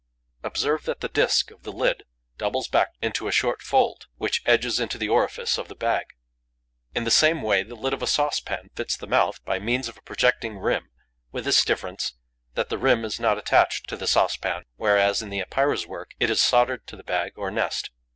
Observe that the disk of the lid doubles back into a short fold, which edges into the orifice of the bag. In the same way, the lid of a saucepan fits the mouth by means of a projecting rim, with this difference, that the rim is not attached to the saucepan, whereas, in the Epeira's work, it is soldered to the bag or nest.